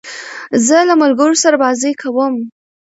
زه له ملګرو سره بازۍ کوم.